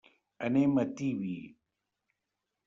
Anem a Tibi.